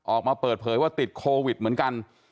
ออกมาเปิดเผยว่าติดโควิดเหมือนกัน